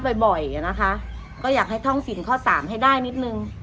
บ่อยบ่อยนะคะก็อยากให้ท่องสินข้อสามให้ได้นิดนึง